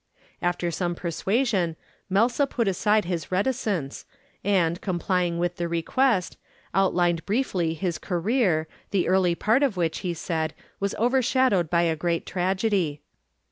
"After some persuasion, Melsa put aside his reticence, and, complying with the request, outlined briefly his career, the early part of which, he said, was overshadowed by a great tragedy.